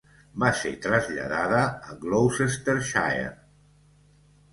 Va ser traslladada a Gloucestershire.